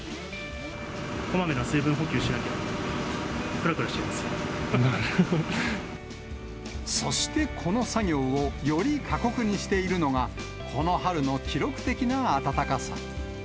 こまめな水分補給しなきゃ、そして、この作業をより過酷にしているのが、この春の記録的な暖かさ。